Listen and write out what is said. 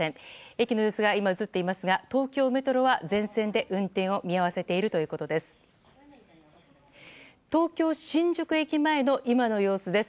駅の様子が映っていますが東京メトロは全線で運転を見合わせているということです。